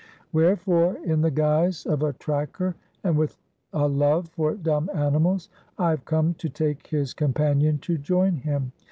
Wherefore, in the guise of a tracker and with a love for dumb animals, I have come to take his companion to join him.